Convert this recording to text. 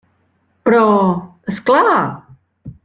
Però... és clar!